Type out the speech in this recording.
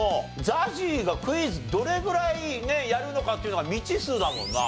ＺＡＺＹがクイズどれぐらいやるのかっていうのが未知数だもんな。